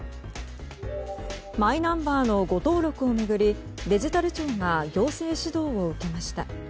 マイナンバーの誤登録を巡りデジタル庁が行政指導を受けました。